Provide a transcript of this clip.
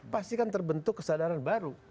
pasti kan terbentuk kesadaran baru